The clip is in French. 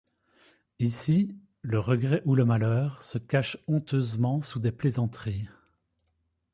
Ici, le regret ou le malheur se cachent honteusement sous des plaisanteries.